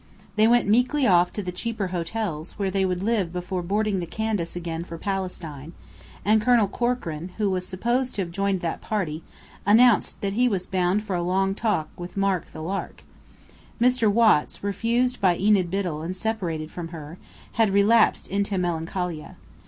They went meekly off to the cheaper hotels, where they would live before boarding the Candace again for Palestine, and Colonel Corkran, who was supposed to have joined that party, had announced that he was "bound for a long talk with Mark the Lark." Mr. Watts, refused by Enid Biddell and separated from her, had relapsed into melancholia.